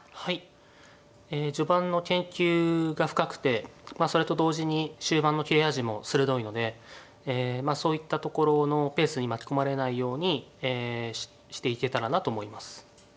ええ序盤の研究が深くてまあそれと同時に終盤の切れ味も鋭いのでそういったところのペースに巻き込まれないようにええしていけたらなと思います。